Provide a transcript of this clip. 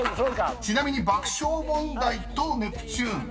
［ちなみに爆笑問題とネプチューン